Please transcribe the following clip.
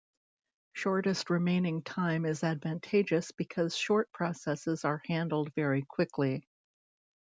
Shortest remaining time is advantageous because short processes are handled very quickly.